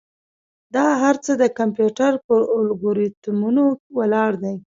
دا هر څه د کمپیوټر پر الگوریتمونو ولاړ دي.